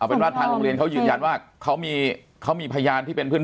เป็นว่าทางโรงเรียนเขายืนยันว่าเขามีพยานที่เป็นเพื่อน